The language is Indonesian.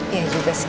iya juga sih